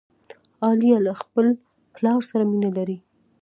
عالیه له خپل پلار سره مینه لري.